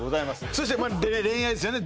そして恋愛ですよね